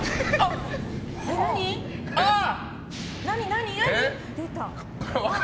何？